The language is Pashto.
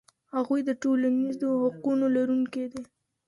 هغوی د ټولنیزو حقونو لرونکي دي.